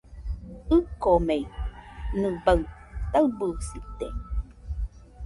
ɨkomei, nɨbaɨ taɨbɨsite.